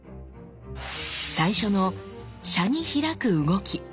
最初の「車に開く」動き。